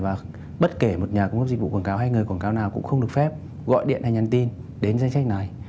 và bất kể một nhà cung cấp dịch vụ quảng cáo hay người quảng cáo nào cũng không được phép gọi điện hay nhắn tin đến danh sách này